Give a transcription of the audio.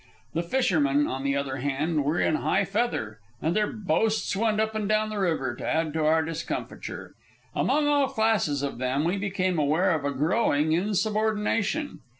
The fishermen, on the other hand, were in high feather, and their boasts went up and down the river to add to our discomfiture. Among all classes of them we became aware of a growing insubordination.